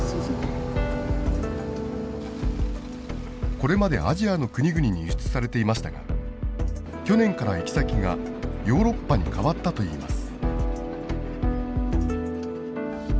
これまでアジアの国々に輸出されていましたが去年から行き先がヨーロッパに変わったといいます。